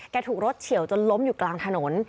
ถูกรถเฉียวจนล้มอยู่กลางถนน